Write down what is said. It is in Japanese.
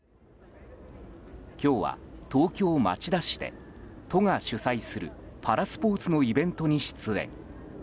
今日は、東京・町田市で都が主催するパラスポーツのイベントに出演。